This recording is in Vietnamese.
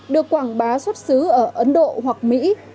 được quảng bá xuất xứ ở ấn độ hoặc mỹ